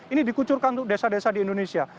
ini dikucurkan untuk desa desa di indonesia